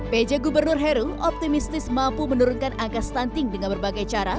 pj gubernur heru optimistis mampu menurunkan angka stunting dengan berbagai cara